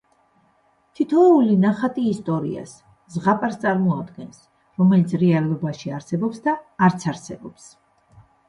თითოეული ნახატი ისტორიას, ზღაპარს წარმოადგენს, რომელიც რეალობაში არსებობს და არც არსებობს.